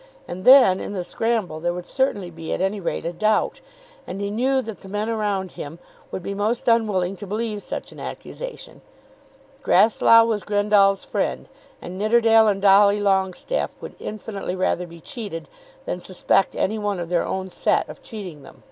And then, in the scramble, there would certainly be at any rate a doubt. And he knew that the men around him would be most unwilling to believe such an accusation. Grasslough was Grendall's friend, and Nidderdale and Dolly Longestaffe would infinitely rather be cheated than suspect any one of their own set of cheating them.